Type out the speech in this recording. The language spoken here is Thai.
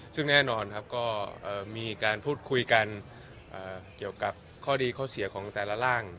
ซึ่งแน่นอนครับก็มีการพูดคุยกันเกี่ยวกับข้อดีข้อเสียของแต่ละร่าง